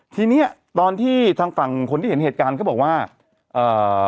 ทีเนี้ยตอนที่ทางฝั่งคนที่เห็นเหตุการณ์เขาบอกว่าเอ่อ